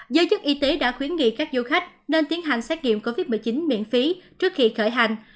giới chức y tế đã khuyến nghị các du khách nên tiến hành xét nghiệm covid một mươi chín miễn phí trước khi khởi hành